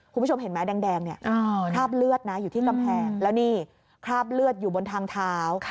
คุณผู้ชมเห็นไหมแดงเนี่ยคราบเลือดนะอยู่ที่กำแพงแล้วนี่คราบเลือดอยู่บนทางเท้า